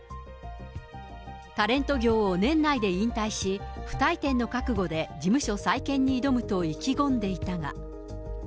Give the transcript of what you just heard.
タレント業を年内で引退し、不退転の覚悟で事務所再建に挑むと意気込んでいたが。